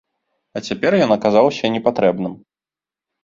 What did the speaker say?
А цяпер ён аказаўся непатрэбным.